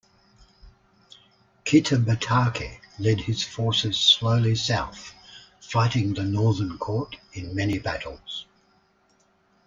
Kitabatake led his forces slowly south, fighting the Northern Court in many battles.